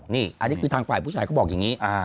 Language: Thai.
นี่อันนี้คือทางฝ่ายผู้ชายเขาบอกอย่างนี้